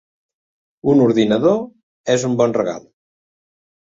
Un ordinador és un bon regal,